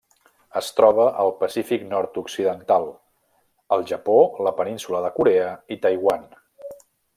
Es troba al Pacífic nord-occidental: el Japó, la península de Corea i Taiwan.